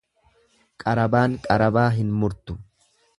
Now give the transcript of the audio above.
Qarabaan qarabaa hin murtu.